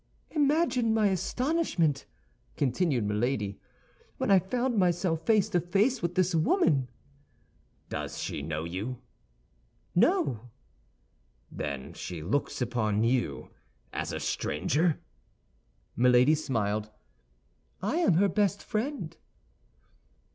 "Imagine my astonishment," continued Milady, "when I found myself face to face with this woman!" "Does she know you?" "No." "Then she looks upon you as a stranger?" Milady smiled. "I am her best friend."